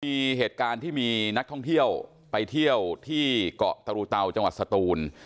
มีเหตุการณ์ที่มีนักท่องเที่ยวไปเที่ยวที่เกาะตรุเตาจังหวัดสตูน